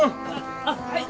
あっはい！